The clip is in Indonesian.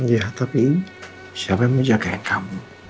iya tapi siapa yang mau jagain kamu